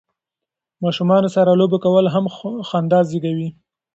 ماشومانو سره لوبې کول هم خندا زیږوي.